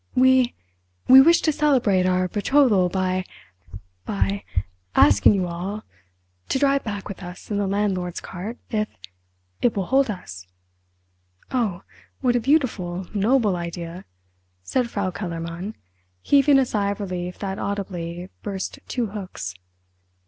"We—we wish to celebrate our betrothal by—by—asking you all to drive back with us in the landlord's cart—if—it will hold us!" "Oh, what a beautiful, noble idea!" said Frau Kellermann, heaving a sigh of relief that audibly burst two hooks.